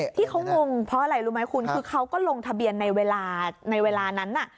ที่เขางงเพราะอะไรรู้ไหมคุณคือเขาก็ลงทะเบียนในเวลาในเวลานั้นน่ะ